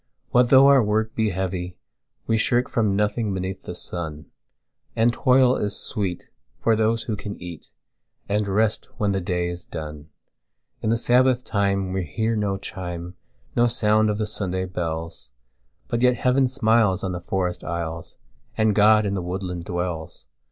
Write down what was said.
What though our work he heavy, we shirkFrom nothing beneath the sun; And toil is sweet to those who can eatAnd rest when the day is done.In the Sabbath time we hear no chime, No sound of the Sunday bells; But yet Heaven smiles on the forest aisles, And God in the woodland dwells.